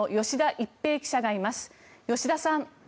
吉田さん